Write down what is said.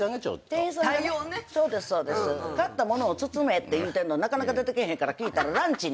買ったものを包めって言うてんのになかなか出てけえへんから聞いたら。